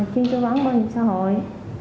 chuyên truyền bán bảo hiểm xã hội